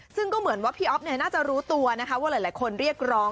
ซึ่งก็เหมือนว่าพี่อ๊อฟน่าจะรู้ตัวนะคะว่าหลายคนเรียกร้อง